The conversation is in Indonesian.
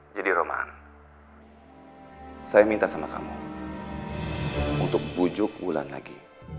jadi roman saya minta sama kamu untuk bujuk ulan lagi